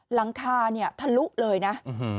หลังคาเนี้ยทะลุเลยนะอือหือ